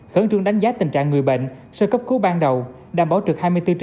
khẩn trương đánh giá tình trạng người bệnh sơ cấp cứu ban đầu đảm bảo trực hai mươi bốn trên